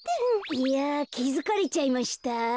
いやきづかれちゃいました？